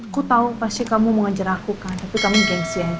kuh tau pasti kamu mau nganjur aku kan then kamu gangstir aja